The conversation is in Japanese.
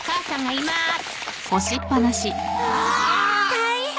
大変！？